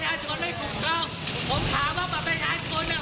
แต่เวลาคุณเชียร์รับเงินเชียงยา